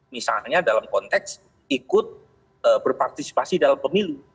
misalnya dalam konteks ikut berpartisipasi dalam pemilu